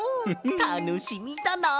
たのしみだなあ！